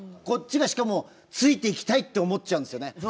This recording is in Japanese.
こっちがしかもついていきたいって思っちゃうんですよね。